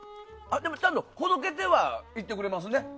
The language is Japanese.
でも、ちゃんとほどけてはいってくれてるね。